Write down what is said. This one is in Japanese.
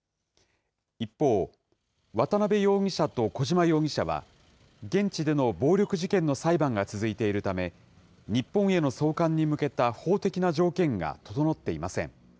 一方、渡邉容疑者と小島容疑者は、現地での暴力事件の裁判が続いているため、日本への送還に向けた法的な条件が整っていません。